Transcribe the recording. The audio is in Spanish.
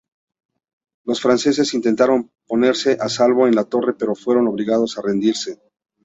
Los franceses intentaron ponerse a salvo en la torre pero fueron obligados a rendirse.